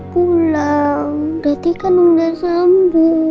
bang dati kan udah sampe